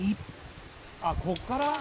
「あっここから？」